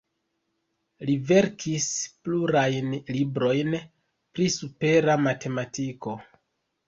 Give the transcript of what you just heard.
Li verkis plurajn librojn pri supera matematiko.